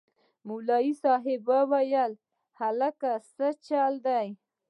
مولوي صاحب وويل هلکه سه چل دې.